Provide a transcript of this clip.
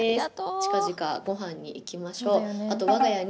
近々ごはんに行きましょ。